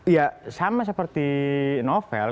ya sama seperti novel